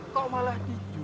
kok malah dijual